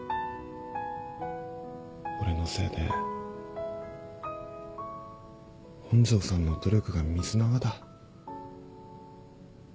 俺のせいで本庄さんの努力が水の泡だ。